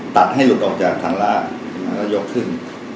ตัดให้หลุดออกจากทางล่างแล้วยกขึ้น